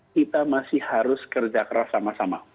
kita masih harus kerja keras sama sama